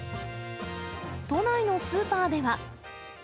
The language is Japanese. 都内のスーパーでは。